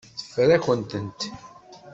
Teffer-akent-tent.